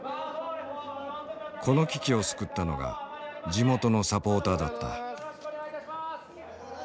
この危機を救ったのが地元のサポーターだった。